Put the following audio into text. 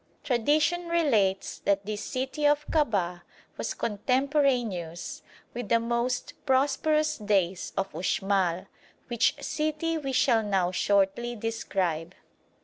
Tradition relates that this city of Kabah was contemporaneous with the most prosperous days of Uxmal (pronounced Ooshmal), which city we shall now shortly describe.